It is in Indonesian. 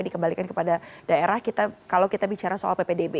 kepada daerah kita kalau kita bicara soal ppdb